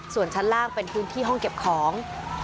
ส่วนชั้นล่างเป็นพื้นที่ห้องเก็บของ